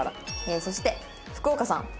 そして福岡さん